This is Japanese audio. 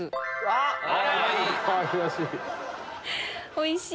おいしい！